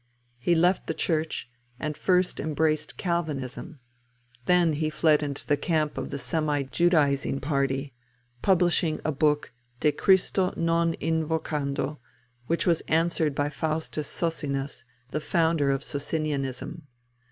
He left the Church, and first embraced Calvinism; then he fled into the camp of the Semi Judaising party, publishing a book De Christo non invocando, which was answered by Faustus Socinus, the founder of Socinianism.